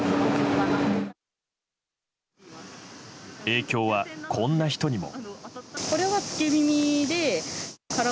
影響はこんな人にも。